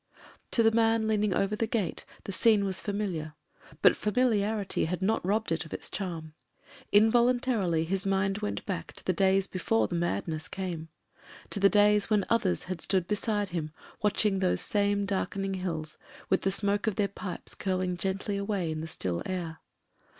... To the man leaning over the gate the scene was familiar — ^but familiarity had not robbed it of its charm. Involuntarily his mind went back to the days before the Madness came — ^to the days when others had stood beside him watching those same dark ening hills, with the smoke of their pipes curling gently THE GREY HOUSE 239 away in the still air.